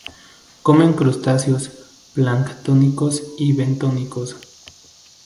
Comen crustáceos planctónicos y bentónicos.